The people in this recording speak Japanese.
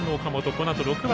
このあと６番